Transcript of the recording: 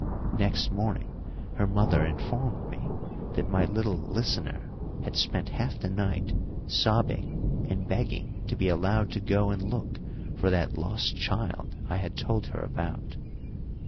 Next morning her mother informed me that my little listener had spent half the night sobbing and begging to be allowed to go and look for that lost child I had told her about.